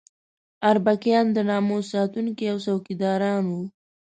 اربکیان د ناموس ساتونکي او څوکیداران وو.